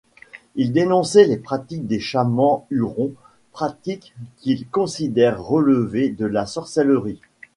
Il dénonçait les pratiques des chamans hurons, pratiques qu'il considère relever de la sorcellerie.